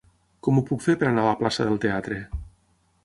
Com ho puc fer per anar a la plaça del Teatre?